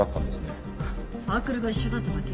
サークルが一緒だっただけ。